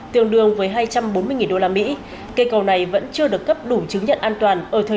tương đương với hai trăm bốn mươi nghìn đô la mỹ cây cầu này vẫn chưa được cấp đủ chứng nhận an toàn ở thời điểm nó mở cửa trở lại